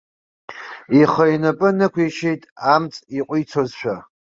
Ихы инапы нықәишьит, амҵ иҟәицозшәа.